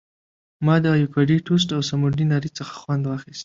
ما د ایوکاډو ټوسټ او سموټي ناري څخه خوند واخیست.